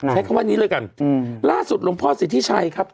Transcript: ใช้คำว่านี้เลยกันล่าสุดหลวงพ่อสิทธิชัยครับ